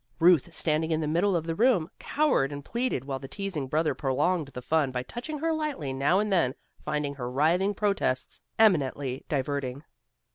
Ruth, standing in the middle of the room, cowered and pleaded, while the teasing brother prolonged the fun by touching her lightly now and then, finding her writhing protests eminently diverting.